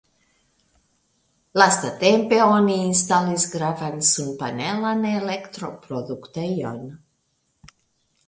Lastatempe oni instalis gravan sunpanelan elektroproduktejon.